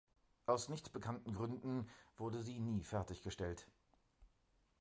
Aus nicht bekannten gründen wurde sie nie fertiggestellt.